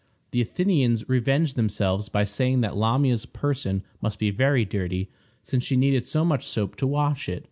The Athenians revenged themselves by saying that Lamia's person must be very dirty, since she needed so much soap to wash it.